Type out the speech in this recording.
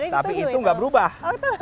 tapi itu gak berubah